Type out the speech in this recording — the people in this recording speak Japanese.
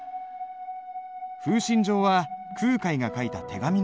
「風信帖」は空海が書いた手紙なんだ。